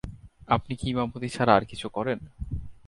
আপনি কি ইমামতি ছাড়া আর কিছু করেন?